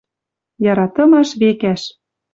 Яратымаш векӓш.